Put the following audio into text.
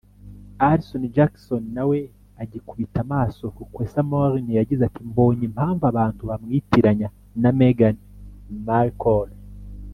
Alison Jackson nawe agikubita amaso Lukwesa Morin yagize ati “Mbonye impamvu abantu bamwitiranya na Meghan Markle